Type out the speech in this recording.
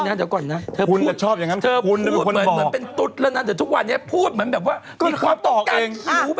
งั้นถ้าเธอพูดเหมือนเป็นตุ๊ดแล้วนานจนทุกวันพูดเหมือนมีความต่อออกเอง